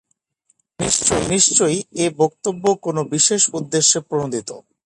নিশ্চয়ই এ বক্তব্য কোন বিশেষ উদ্দেশ্যে প্রণোদিত।